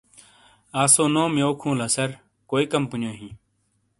آسو نوم یوک ہوں لہ سر ؟کوئی کمپونیو ہیں؟